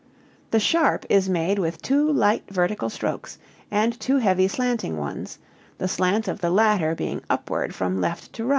The sharp is made with two light vertical strokes, and two heavy slanting ones, the slant of the latter being upward from left to right, [sharp].